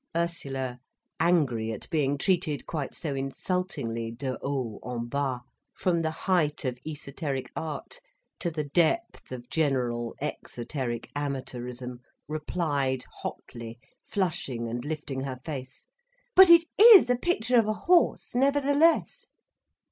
Ursula, angry at being treated quite so insultingly de haut en bas, from the height of esoteric art to the depth of general exoteric amateurism, replied, hotly, flushing and lifting her face. "But it is a picture of a horse, nevertheless."